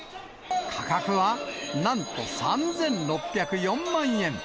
価格はなんと３６０４万円。